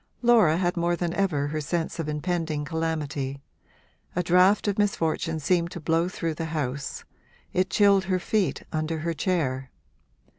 Laura had more than ever her sense of impending calamity; a draught of misfortune seemed to blow through the house; it chilled her feet under her chair.